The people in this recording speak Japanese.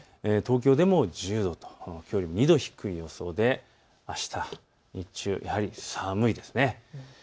東京でも１０度と、きょうより２度低い予想であしたは寒いですね。